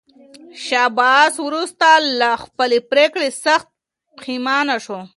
شاه عباس وروسته له خپلې پرېکړې سخت پښېمانه شو.